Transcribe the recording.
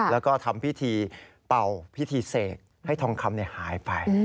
แล้วก็ทำพิธีเป่าพิธีเสกให้ทองคำหายไป